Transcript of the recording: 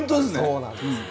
そうなんですよね。